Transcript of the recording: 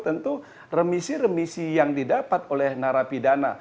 tentu remisi remisi yang didapat oleh narapidana